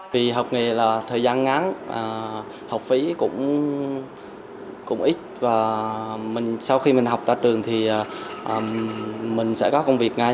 vì học nghề là thời gian ngắn học phí cũng ít và sau khi mình học ra trường thì mình sẽ có công việc ngay